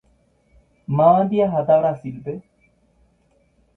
Mávandi aháta Brasilpe.